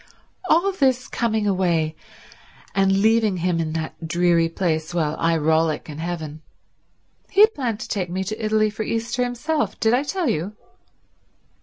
"All this coming away and leaving him in that dreary place while I rollick in heaven. He had planned to take me to Italy for Easter himself. Did I tell you?"